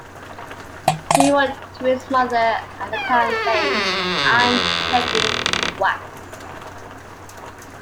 He wrote to his mother at the time, saying, I'm heading west.